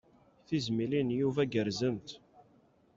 Tizmilin n Yuba gerrzent.